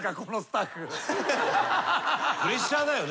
プレッシャーだよね。